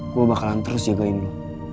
gue bakalan terus jagain lo